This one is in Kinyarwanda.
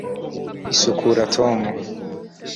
isukura, tom